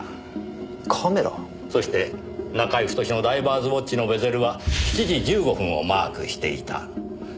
そして中居太のダイバーズウオッチのベゼルは７時１５分をマークしていた。